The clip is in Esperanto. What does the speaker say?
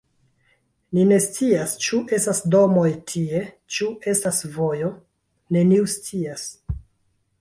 Ni ne scias, ĉu estas domoj tie, ĉu estas vojo. Neniu scias.